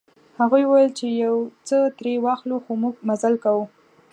هغوی ویل چې یو څه ترې واخلو خو موږ مزل کاوه.